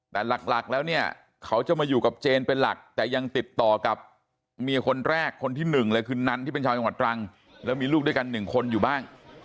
แต่หลักแล้วเนี่ยเขาจะมาอยู่กับเจนเป็นหลักแต่ยังติดต่อกับเมียคนแรกคนที่หนึ่งเลยคือนันที่เป็นชาวจังหวัดตรังแล้วมีลูกด้วยกัน๑คนอยู่บ้าง